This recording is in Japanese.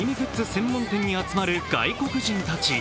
専門店に集まる外国人たち。